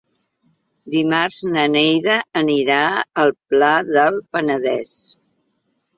Dimarts na Neida anirà al Pla del Penedès.